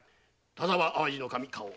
田沢淡路守花押」